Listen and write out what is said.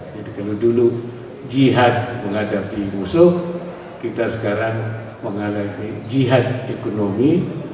jadi kalau dulu jihad menghadapi musuh kita sekarang menghadapi jihad ekonomi